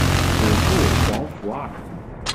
祖父黄福二。